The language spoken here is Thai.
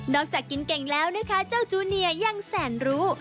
จากกินเก่งแล้วนะคะเจ้าจูเนียยังแสนรู้